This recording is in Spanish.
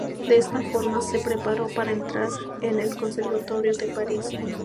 De esta forma se preparó para entrar en el Conservatorio de París.